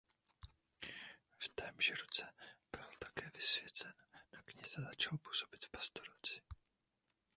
V témže roce byl také vysvěcen na kněze a začal působit v pastoraci.